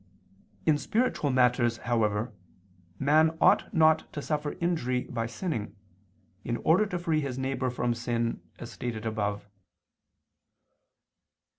In spiritual matters, however, man ought not to suffer injury by sinning, in order to free his neighbor from sin, as stated above.